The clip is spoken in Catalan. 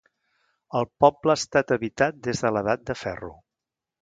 El poble ha estat habitant des de l'edat de ferro.